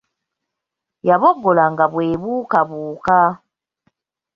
Yaboggola nga bwebuukabuuka.